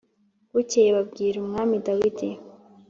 Bukeye babwira Umwami Dawidi